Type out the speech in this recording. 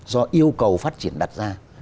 do yêu cầu phát triển đặt ra